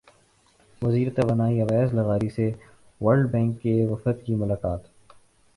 وزیر توانائی اویس لغاری سے ورلڈ بینک کے وفد کی ملاقات